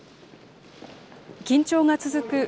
緊張が続く